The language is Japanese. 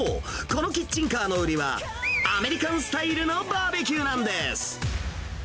このキッチンカーの売りは、アメリカンスタイルのバーベキューなんです。